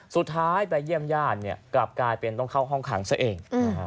สุดท้ายไปเยี่ยมย่านเนี่ยกลับกลายเป็นต้องเข้าห้องขังเสียเอง